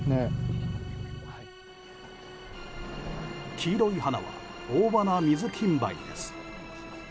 黄色い花はオオバナミズキンバイです。